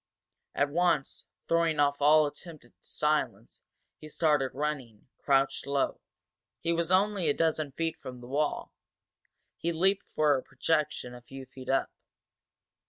At once, throwing off all attempt at silence, he started running, crouched low. He was only a dozen feet from the wall he leaped for a projection a few feet up.